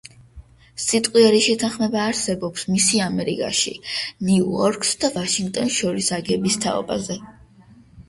სიტყვიერი შეთანხმება არსებობს მისი ამერიკაში, ნიუ-იორკს და ვაშინგტონს შორის აგების თაობაზე.